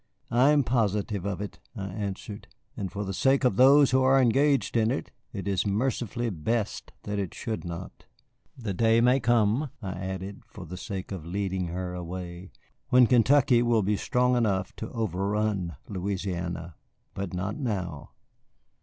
"I am positive of it," I answered, "and for the sake of those who are engaged in it, it is mercifully best that it should not. The day may come," I added, for the sake of leading her away, "when Kentucky will be strong enough to overrun Louisiana. But not now."